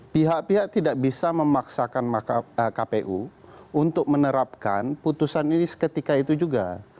pihak pihak tidak bisa memaksakan kpu untuk menerapkan putusan ini seketika itu juga